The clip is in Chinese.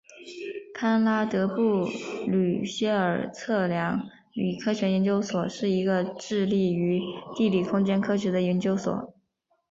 康拉德布吕歇尔测量与科学研究所是一个致力于地理空间科学的研究所。